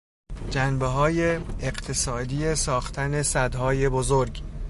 جنبه های اقتصادی ساختن سدهای بزرگ